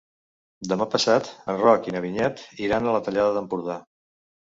Demà passat en Roc i na Vinyet iran a la Tallada d'Empordà.